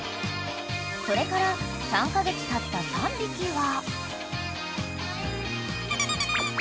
［それから３カ月たった３匹は］